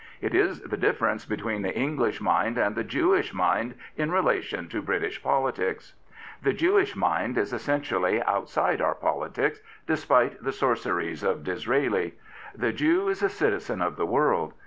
It is the difference between the English mind and the Jewish mind in relation to British politics. The Jewish mind is essentially outside our politics, despite the sorceries of Disraeli. The Jew is a citizen of the world.